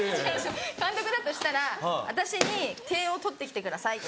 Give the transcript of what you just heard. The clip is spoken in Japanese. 監督だとしたら私に「点を取ってきてください。